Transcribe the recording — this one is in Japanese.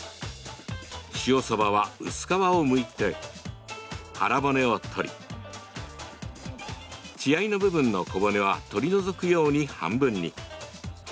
塩さばは薄皮をむいて腹骨を取り血合いの部分の小骨は取り除くように半分に。